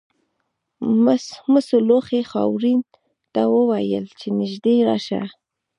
مسو لوښي خاورین ته وویل چې نږدې راشه.